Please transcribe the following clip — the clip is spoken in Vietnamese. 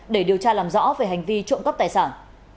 để điều tra làm rõ về hành vi trộm cắp tài sản